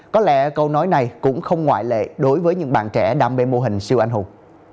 có lẽ câu nói này cũng không ngoại lệ đối với những bạn trẻ đam mê mô hình siêu anh hùng